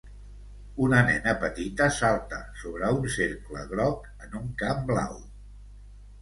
Una nena petita salta sobre un cercle groc en un camp blau.